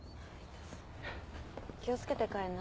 気を付けて帰んな。